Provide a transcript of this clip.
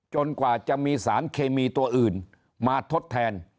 กว่าจะมีสารเคมีตัวอื่นมาทดแทน